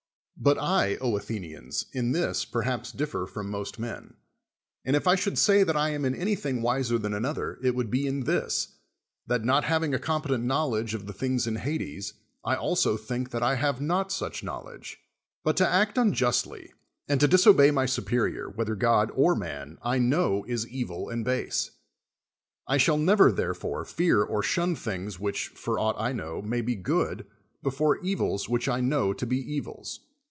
But I, Athenians, in this perhaps differ from most men; and if I should say that I am in anything wiser than another, it would be in this, that not having a competent knowledge of the things in Plades, I also think that I have not such knowledge. But to act unjustly, and to disobey my superior, whether God or man, I know is evil and base. I shall never, therefore, fear or shun things which, for aught I know, may be good, before evils which I know to be evils.